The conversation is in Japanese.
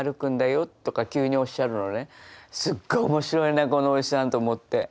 すっごい面白いなこのおじさんと思って。